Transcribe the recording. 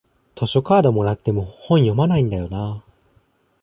図書カードもらっても本読まないんだよなあ